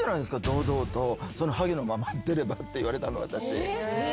「堂々とハゲのまま出れば」って言われたの私。